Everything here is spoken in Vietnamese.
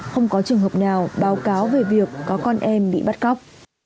không có trường hợp nào báo cáo về việc có con em bị bắt cóc